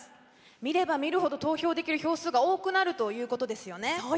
見れば見るほど投票できる票数が多くなるということですね。